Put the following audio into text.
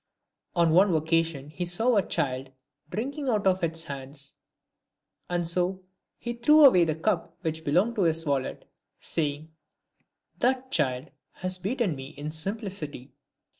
On one occasion he saw a child drinking out of its hands, and so he threw away the cup which belonged to his wallet, saying, " That child has beaten me in simplicity."